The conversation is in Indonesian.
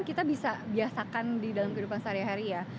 kita bisa biasakan di dalam kehidupan sehari hari ya